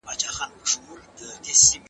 د ملکیار سندرې لا هم د خلکو په زړونو کې دي.